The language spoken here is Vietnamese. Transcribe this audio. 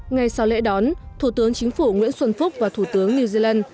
ngay sau lễ đón thủ tướng chính phủ nguyễn xuân phúc và thủ tướng new zealand